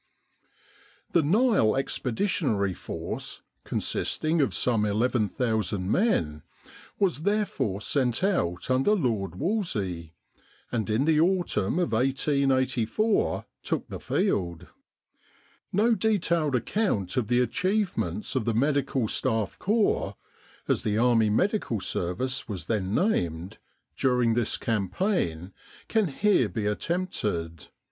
The Nile Expeditionary Force, consisting of some 11,000 men, was therefore sent out under Lord Wolseley, and in the autumn of 1884 took the field. No detailed account of the achievements of the Medical Staff Corps (as the Army Medical Service was then named) during this campaign can here be attempted.